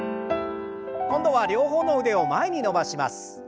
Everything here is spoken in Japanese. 今度は両方の腕を前に伸ばします。